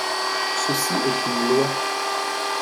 Ceci est une loi.